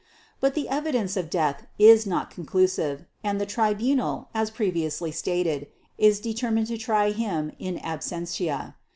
But the evidence of death is not conclusive, and the Tribunal, as previously stated, is determined to try him in absentia.